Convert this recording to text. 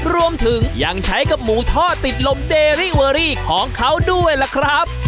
รวมถึงยังใช้กับหมูทอดติดลมเดรี่เวอรี่ของเขาด้วยล่ะครับ